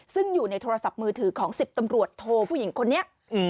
ซึ่งอยู่ในโทรศัพท์มือถือของ๑๐ตำรวจโทผู้หญิงคนนี้